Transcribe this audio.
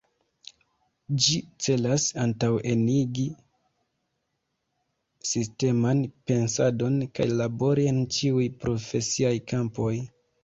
Ĝi celas antaŭenigi sisteman pensadon kaj labori en ĉiuj profesiaj kampoj.